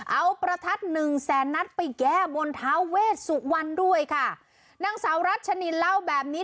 เอาประทัดหนึ่งแสนนัดไปแก้บนท้าเวชสุวรรณด้วยค่ะนางสาวรัชนินเล่าแบบนี้